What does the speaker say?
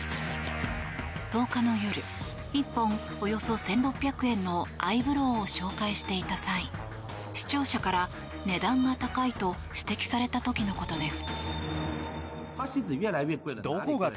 １０日の夜１本およそ１６００円のアイブローを紹介していた際視聴者から値段が高いと指摘された時のことです。